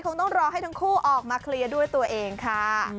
คงต้องรอให้ทั้งคู่ออกมาเคลียร์ด้วยตัวเองค่ะ